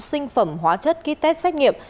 sinh phẩm hóa chất kit test xét nghiệm